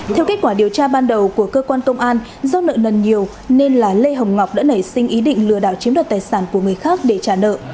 theo kết quả điều tra ban đầu của cơ quan công an do nợ nần nhiều nên là lê hồng ngọc đã nảy sinh ý định lừa đảo chiếm đoạt tài sản của người khác để trả nợ